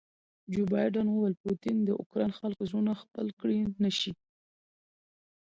جو بایډن وویل پوټین د اوکراین خلکو زړونه خپل کړي نه شي.